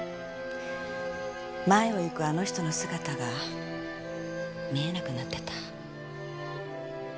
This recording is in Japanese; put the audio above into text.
前を行くあの人の姿が見えなくなってた。